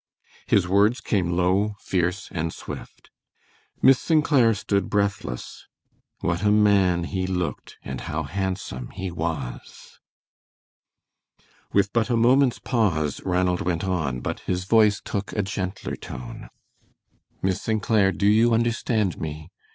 His words came low, fierce, and swift. Miss St. Clair stood breathless. What a man he looked and how handsome he was! With but a moment's pause Ranald went on, but his voice took a gentler tone. "Miss St. Clair, do you understand me?